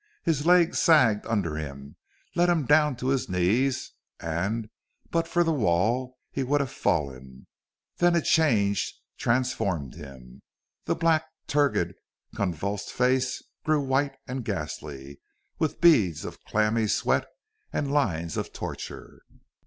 His legs sagged under him, let him down to his knees, and but for the wall he would have fallen. Then a change transformed him. The black, turgid, convulsed face grew white and ghastly, with beads of clammy sweat and lines of torture.